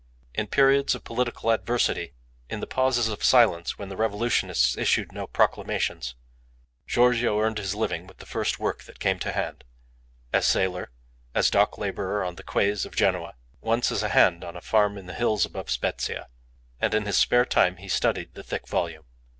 In periods of political adversity, in the pauses of silence when the revolutionists issued no proclamations, Giorgio earned his living with the first work that came to hand as sailor, as dock labourer on the quays of Genoa, once as a hand on a farm in the hills above Spezzia and in his spare time he studied the thick volume.